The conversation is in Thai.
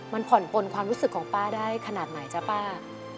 มันผ่อนปนความรู้สึกของป้าได้ขนาดไหนจ๊ะป้า